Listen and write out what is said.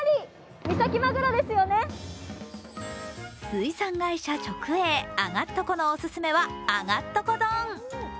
水産会社直営あがっとこのおすすめは、あがっとこ丼。